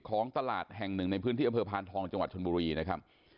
ของตลาดแห่งหนึ่งในพื้นที่อำเภอพานทองจังหวัดชนบุรีนะครับ